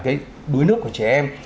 cái đuối nước của trẻ em